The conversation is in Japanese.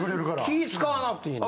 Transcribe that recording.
気ぃ使わなくていいの？